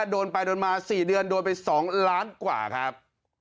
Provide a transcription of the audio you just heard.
โดนไปโดนมา๔เดือนโดนไป๒ล้านกว่าครับ